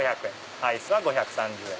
アイス５３０円。